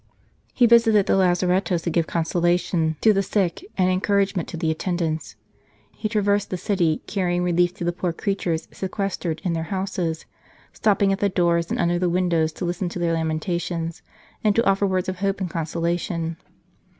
He visited the lazar ettoes to give consolation to the sick and encourage ment to the attendants. He traversed / the city, carrying relief to the poor creatures sequestrated in their houses, stopping at the doors and under the windows to listen to their lamentations and to offer words of hope and consolation.